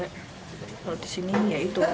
kalau di sini ya itu